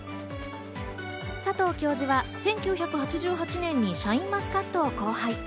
佐藤教授は１９８８年にシャインマスカットを交配。